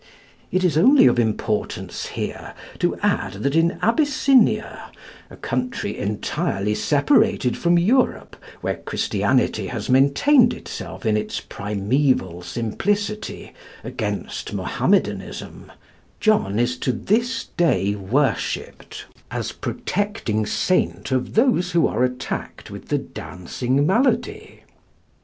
It is only of importance here to add that in Abyssinia, a country entirely separated from Europe, where Christianity has maintained itself in its primeval simplicity against Mahomedanism, John is to this day worshipped, as protecting saint of those who are attacked with the dancing malady.